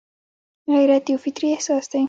غیرت یو فطري احساس دی